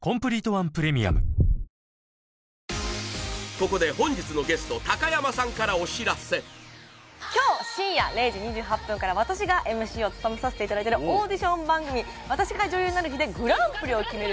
ここで本日のゲストきょう深夜０時２８分から私がＭＣを務めさせていただいてるオーディション番組「私が女優になる日」でグランプリを決める